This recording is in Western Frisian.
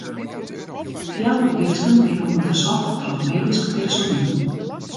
Fjouwer minsken binne ûndersocht troch medysk personiel.